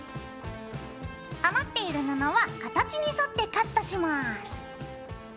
余っている布は形に沿ってカットします。